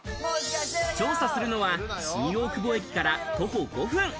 調査するのは新大久保駅から徒歩５分。